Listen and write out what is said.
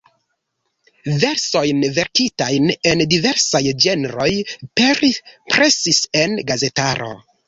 Versojn, verkitajn en diversaj ĝenroj presis en gazetaro.